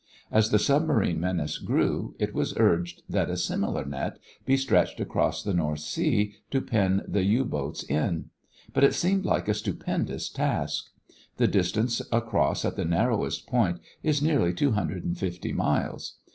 As the submarine menace grew, it was urged that a similar net be stretched across the North Sea to pen the U boats in. But it seemed like a stupendous task. The distance across at the narrowest point is nearly two hundred and fifty miles.